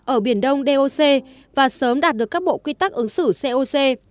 ở biển đông doc và sớm đạt được các bộ quy tắc ứng xử coc